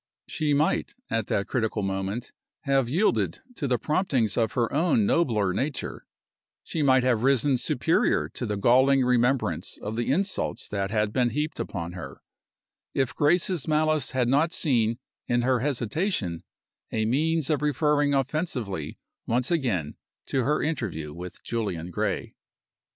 She might, at that critical moment, have yielded to the promptings of her own nobler nature she might have risen superior to the galling remembrance of the insults that had been heaped upon her if Grace's malice had not seen in her hesitation a means of referring offensively once again to her interview with Julian Gray.